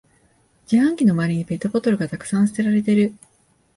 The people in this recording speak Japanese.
自販機の周りにペットボトルがたくさん捨てられてる